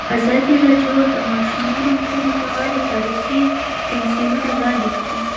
ازادي راډیو د د ماشومانو حقونه په اړه تاریخي تمثیلونه وړاندې کړي.